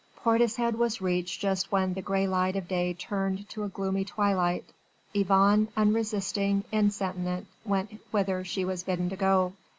Portishead was reached just when the grey light of day turned to a gloomy twilight. Yvonne unresisting, insentient, went whither she was bidden to go.